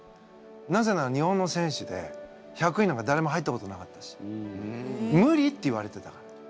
なぜなら日本の選手で１００位なんかだれも入ったことなかったし無理って言われてたから。